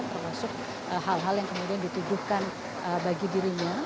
termasuk hal hal yang kemudian dituduhkan bagi dirinya